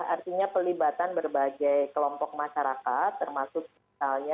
artinya pelibatan berbagai kelompok masyarakat termasuk misalnya